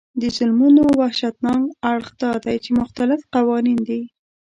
د ظلمونو وحشتناک اړخ دا دی چې مختلف قوانین دي.